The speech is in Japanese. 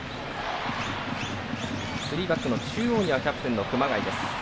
３バックの中央にはキャプテンの熊谷です。